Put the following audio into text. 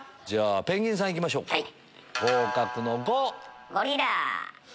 ペンギンさん行きましょうか。